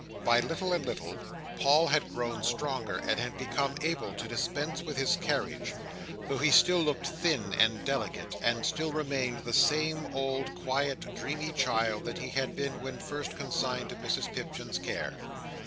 By little and little Paul had grown stronger, and had become able to dispense with his carriage; though he still looked thin and delicate; and still remained the same old, quiet, dreamy child that he had been when first consigned to Mrs Pipchin's care.